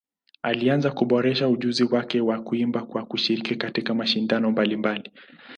Alianza kuboresha ujuzi wake wa kuimba kwa kushiriki katika mashindano mbalimbali.